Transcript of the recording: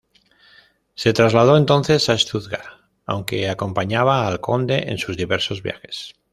Se trasladó entonces a Stuttgart aunque acompañaba al conde en sus diversos viajes.